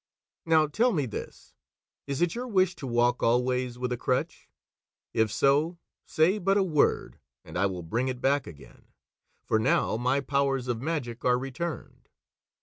Now tell me this: Is it your wish to walk always with a crutch? If so, say but a word, and I will bring it back again, for now my powers of magic are returned."